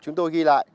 chúng tôi ghi lại